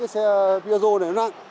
xe piazzo này nó nặng